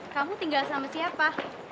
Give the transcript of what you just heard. kamu tinggal sama siapa